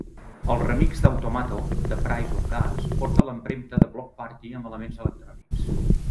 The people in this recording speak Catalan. El remix d'Automato de "Price of Gas" porta l'empremta de Bloc Party amb elements electrònics.